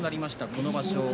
この場所。